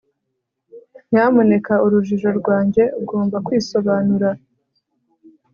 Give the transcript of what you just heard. nyamuneka, urujijo rwanjye ugomba kwisobanura ..